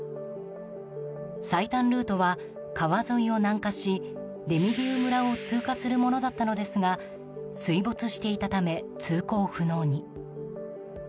最短ルートは川沿いを南下しデミディウ村を通過するものだったのですが水没していたため通行不能に。